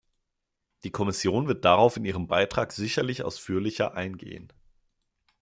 Die Kommission wird darauf in ihrem Beitrag sicherlich ausführlicher eingehen.